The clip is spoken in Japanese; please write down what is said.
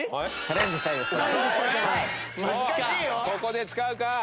ここで使うか！？